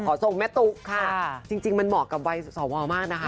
ทรงแม่ตุ๊กค่ะจริงมันเหมาะกับวัยสวมากนะคะ